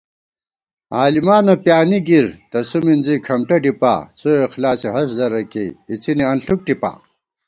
عالِمانہ پیانِی گِر، تسُو مِنزی کھمٹہ ڈِپا * څواخلاصےہست درہ کېئی اِڅِنےانݪُک ٹِپا